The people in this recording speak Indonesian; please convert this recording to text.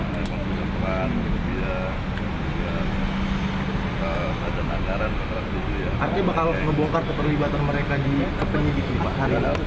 novanto menyebut idrus sebagai seorang pekerja keras